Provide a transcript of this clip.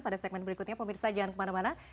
pada segmen berikutnya pemirsa jangan kemana mana